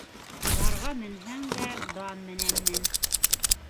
Дарға менһәң дә, дан менән мен.